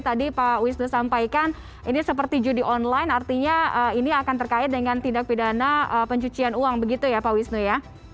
tadi pak wisnu sampaikan ini seperti judi online artinya ini akan terkait dengan tindak pidana pencucian uang begitu ya pak wisnu ya